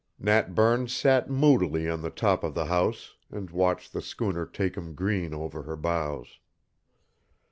Nat Burns sat moodily on the top of the house and watched the schooner take 'em green over her bows.